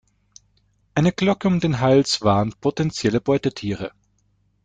Eine Glocke um den Hals warnt potenzielle Beutetiere.